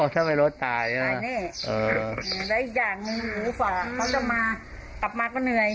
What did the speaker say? อ๋อทำไมรดตายนะ